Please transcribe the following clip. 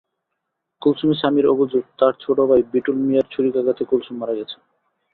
কুলসুমের স্বামীর অভিযোগ, তাঁর ছোটভাই বিটুল মিয়ার ছুরিকাঘাতে কুলসুম মারা গেছেন।